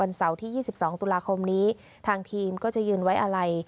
เสาร์ที่๒๒ตุลาคมนี้ทางทีมก็จะยืนไว้อะไร